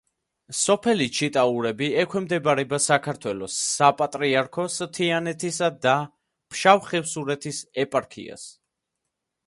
სოფელი ჩიტაურები ექვემდებარება საქართველოს საპატრიარქოს თიანეთისა და ფშავ-ხევსურეთის ეპარქიას.